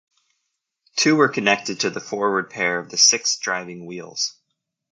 Two were connected to the forward pair of the six driving wheels.